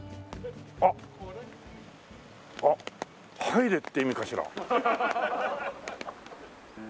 入れって意味かしら。